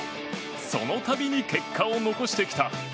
そのたびに結果を残してきた。